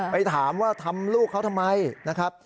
ไปถามว่าทำลูกเขาทำไมนะครับ